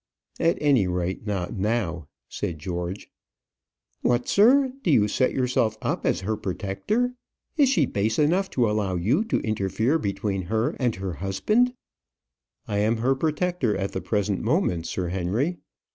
"At any rate not now," said George. "What, sir! do you set yourself up as her protector? Is she base enough to allow you to interfere between her and her husband?" "I am her protector at the present moment, Sir Henry.